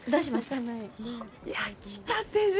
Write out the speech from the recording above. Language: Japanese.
あ焼きたてじゃ！